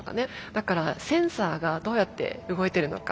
だからセンサーがどうやって動いてるのか。